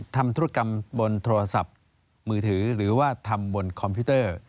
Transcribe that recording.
ทำธุรกรรมบนโทรศัพท์มือถือหรือว่าทำบนคอมพิวเตอร์